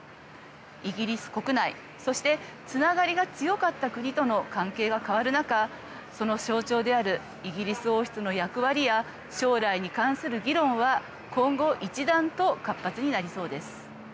イギリス国内そして、つながりが強かった国との関係が変わる中その象徴であるイギリス王室の役割や将来に関する議論は今後、一段と活発になりそうです。